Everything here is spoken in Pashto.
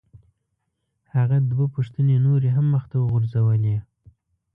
هغه دوه پوښتنې نورې هم مخ ته وغورځولې.